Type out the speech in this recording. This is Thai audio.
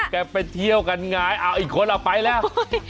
แกไปเที่ยวกันไงอ้าวอีกคนอ่ะไปแล้ว